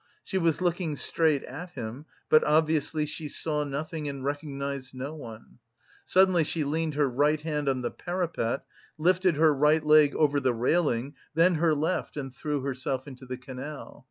She was looking straight at him, but obviously she saw nothing and recognised no one. Suddenly she leaned her right hand on the parapet, lifted her right leg over the railing, then her left and threw herself into the canal.